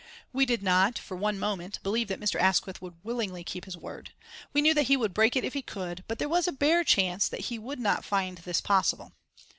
We did not, for one moment, believe that Mr. Asquith would willingly keep his word. We knew that he would break it if he could, but there was a bare chance that he would not find this possible.